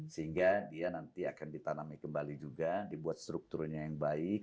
sehingga dia nanti akan ditanami kembali juga dibuat strukturnya yang baik